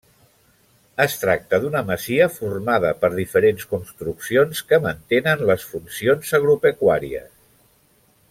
Es tracta d'una masia formada per diferents construccions que mantenen les funcions agropecuàries.